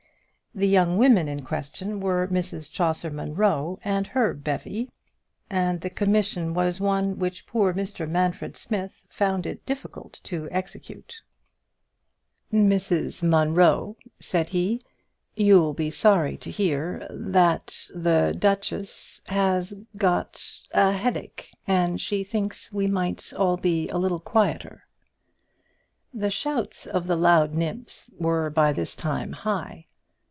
The young women in question were Mrs Chaucer Munro and her bevy, and the commission was one which poor Manfred Smith found it difficult to execute. "Mrs Munro," said he, "you'll be sorry to hear that the duchess has got a headache, and she thinks we all might be a little quieter." The shouts of the loud nymphs were by this time high.